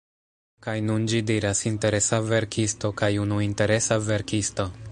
Kaj nun ĝi diras "interesa verkisto" kaj "unu interesa verkisto"